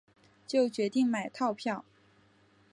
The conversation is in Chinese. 就决定买套票